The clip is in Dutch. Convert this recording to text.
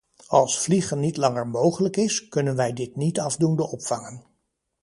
Als vliegen niet langer mogelijk is, kunnen wij dit niet afdoende opvangen.